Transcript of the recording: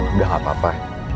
udah gak apa apa